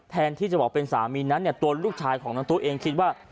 แทนที่จะบอกเป็นสามีนั้นเนี่ยตัวลูกชายของน้องตู้เองคิดว่า